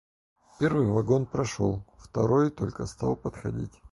Первый вагон прошел, второй только стал подходить.